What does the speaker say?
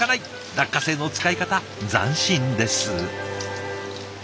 落花生の使い方斬新です。